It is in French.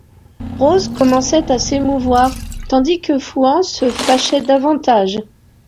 Rose commençait à s’émouvoir, tandis que Fouan se fâchait davantage.